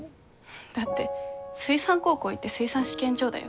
だって水産高校行って水産試験場だよ？